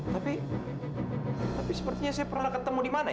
tapi tapi sepertinya saya pernah ketemu di mana yang